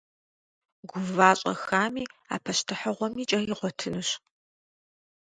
Гува щӏэхами, а пащтыхьыгъуэми кӏэ игъуэтынущ.